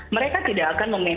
mereka tidak akan meminta